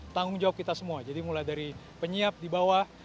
tanggung jawab kita semua jadi mulai dari penyiap di bawah